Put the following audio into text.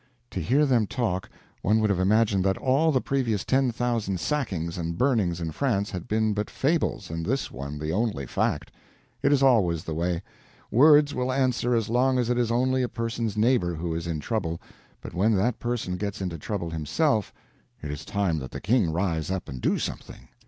To hear them talk, one would have imagined that all the previous ten thousand sackings and burnings in France had been but fables, and this one the only fact. It is always the way; words will answer as long as it is only a person's neighbor who is in trouble, but when that person gets into trouble himself, it is time that the King rise up and do something.